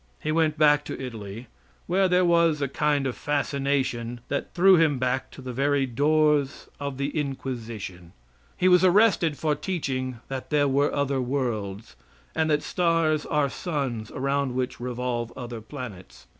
He went back to Italy, where there was a kind of fascination that threw him back to the very doors of the Inquisition. He was arrested for teaching that there were other worlds, and that stars are suns around which revolve other planets.